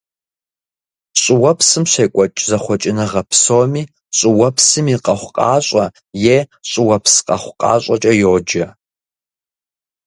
ЩӀыуэпсым щекӀуэкӀ зэхъуэкӀыныгъэ псоми щӀыуэпсым и къэхъукъащӀэ е щӀыуэпс къэхъукъащӀэкӀэ йоджэ.